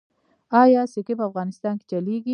آیا سکې په افغانستان کې چلیږي؟